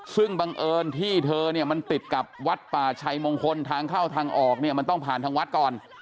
ซึ่งบังเอิญที่เธอเนี่ยมันติดกับวัดป่าชัยมงคลทางเข้าทางออกเนี่ยมันต้องผ่านทางวัดก่อน